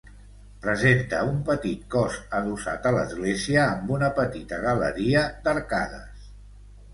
Presenta un petit cos adossat a l'església amb una petita galeria d'arcades.